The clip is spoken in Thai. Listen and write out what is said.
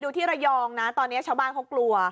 ที่ระยองนะตอนนี้ชาวบ้านเขากลัว